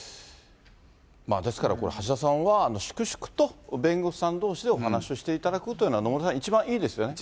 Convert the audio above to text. ですからこれ、橋田さんは粛々と弁護士さんどうしでお話をしていただくというのが、野村さん、一番いいですよね。